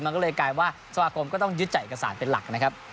มันก็เลยกลายว่าสมาคมก็ต้องยึดจากเอกสารเป็นหลักนะครับ